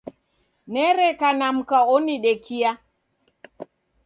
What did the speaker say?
Nereka na mka onidekia.